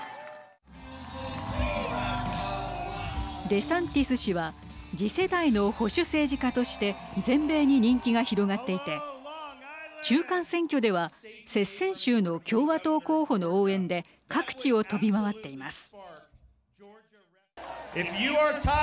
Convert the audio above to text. デサンティス氏は次世代の保守政治家として全米に人気が広がっていて中間選挙では接戦州の共和党候補の応援で各地を飛び回っています。